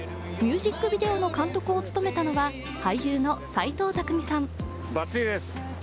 ミュージックビデオの監督を務めたのは、俳優の斎藤工さん。